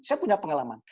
saya punya pengalaman